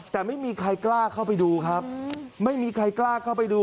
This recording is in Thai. แต่ไม่มีใครกล้าเข้าไปดูครับไม่มีใครกล้าเข้าไปดู